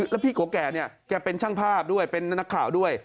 แล้วพี่โกแก่เนี่ยแกเป็นช่างภาพด้วยเป็นนักข่าวด้วย